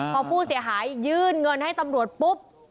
พอผู้เสียหายยื่นเงินให้ตำรวจปุ๊บ